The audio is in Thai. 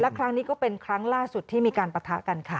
ครั้งนี้ก็เป็นครั้งล่าสุดที่มีการปะทะกันค่ะ